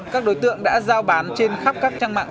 các đối tượng đã giao bán trên khắp các trang mạng